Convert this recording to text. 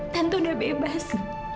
tante udah bebas